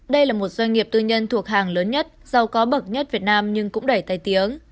đây là một doanh nghiệp tư nhân thuộc hàng lớn nhất giàu có bậc nhất việt nam nhưng cũng đầy tay tiếng